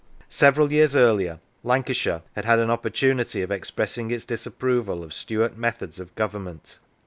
Several years earlier, Lancashire had had an op portunity of expressing its disapproval of Stuart methods of government.